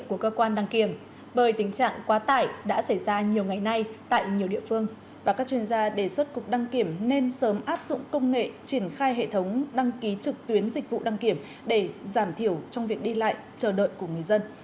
các chuyên gia đề xuất cục đăng kiểm nên sớm áp dụng công nghệ triển khai hệ thống đăng ký trực tuyến dịch vụ đăng kiểm để giảm thiểu trong việc đi lại chờ đợi của người dân